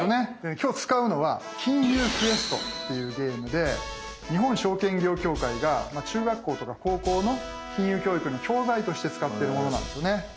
今日使うのは「金融クエスト」っていうゲームで日本証券業協会が中学校とか高校の金融教育の教材として使ってるものなんですよね。